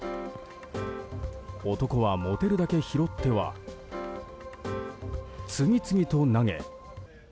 男は持てるだけ拾っては次々と投げ。